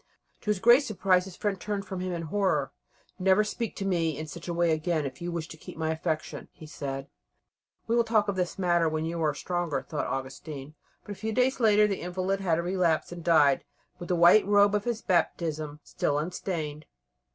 To his great surprise his friend turned from him in horror. "Never speak to me in such a way again if you wish to keep my affection," he said. "We will talk this matter out when you are stronger," thought Augustine. But a few days later the invalid had a relapse, and died with the white robe of his Baptism still unstained.